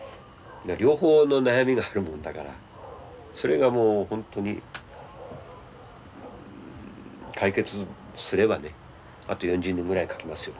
両方の悩みがあるもんだからそれが本当に解決すればあと４０年ぐらいは描きますよ